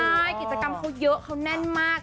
ใช่กิจกรรมเขาเยอะเขาแน่นมาก